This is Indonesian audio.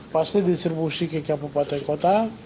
pasti distribusi ke kabupaten kota